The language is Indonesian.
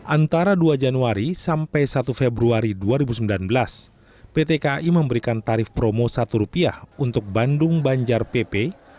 antara dua januari sampai satu februari dua ribu sembilan belas pt kai memberikan tarif promo rp satu untuk bandung banjar pp